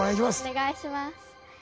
お願いします。